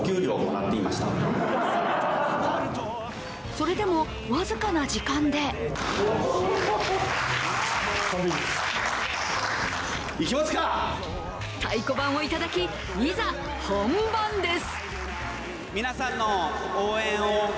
それでも僅かな時間で太鼓判をいただきいざ、本番です！